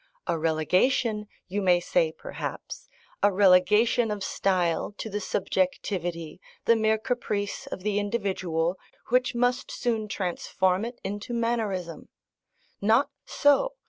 A relegation, you may say perhaps a relegation of style to the subjectivity, the mere caprice, of the individual, which must soon transform it into mannerism. Not so!